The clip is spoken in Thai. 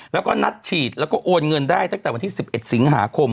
แล้วก็นัดฉีดแล้วก็โอนเงินได้ตั้งแต่วันที่๑๑สิงหาคม